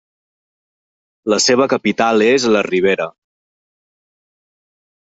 La seva capital és La Rivera.